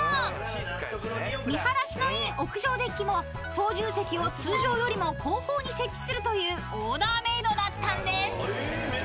［見晴らしのいい屋上デッキも操縦席を通常よりも後方に設置するというオーダーメードだったんです］